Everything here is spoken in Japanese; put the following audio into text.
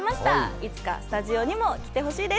いつかスタジオにも来てほしいです。